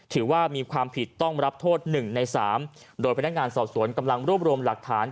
ถือว่ามีความผิดต้องรับโทษ๑ใน๓โดยพนักงานสอบสวนกำลังรวบรวมหลักฐาน